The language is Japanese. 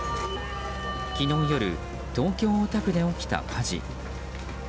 昨日、東京・大田区で起きた火事。